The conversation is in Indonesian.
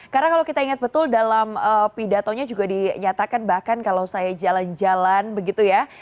karena kalau kita ingat betul dalam pidatonya juga dinyatakan bahkan kalau saya jalan jalan begitu ya